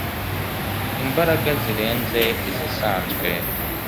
imbaraga zirenze izisanzwe